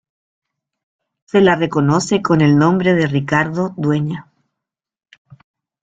Se la reconoce con el nombre de "Ricardo Dueña".